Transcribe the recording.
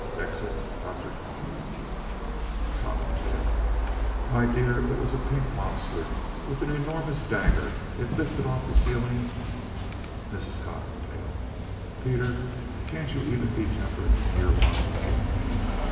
(Exit Dr. Cony.) COTTONTAIL My dear, it was a pink monster, with an enormous dagger. It lifted off the ceiling MRS. COTTONTAIL Peter, can't you even be temperate in your lies?